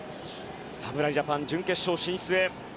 侍ジャパン、準決勝進出へ。